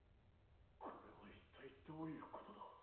これは一体どういうことだ？